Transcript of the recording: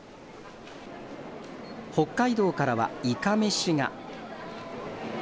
北海道からは、いかめしが。